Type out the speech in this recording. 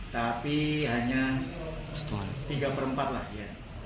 tapi hanya tiga per empat lah dia